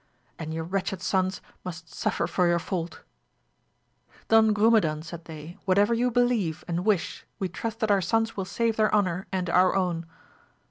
and your wretched sons must suffer for your fault ! Don Grume dan, said they, whatever you believe and wish we trust that our sons will save their honour and our own.